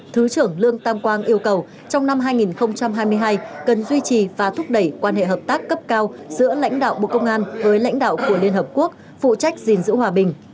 thứ trưởng lương tam quang yêu cầu trong năm hai nghìn hai mươi hai cần duy trì và thúc đẩy quan hệ hợp tác cấp cao giữa lãnh đạo bộ công an với lãnh đạo của liên hợp quốc phụ trách gìn giữ hòa bình